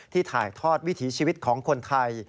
ถ่ายทอดวิถีชีวิตของคนไทย